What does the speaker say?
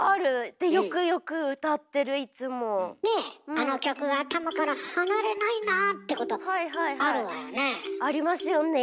あの曲が頭から離れないなってことあるわよね？ありますよね。